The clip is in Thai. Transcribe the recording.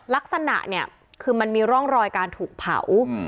ลักษณะเนี่ยคือมันมีร่องรอยการถูกเผา